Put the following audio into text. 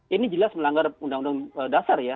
ini jelas melanggar undang undang dasar ya